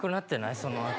そのあと。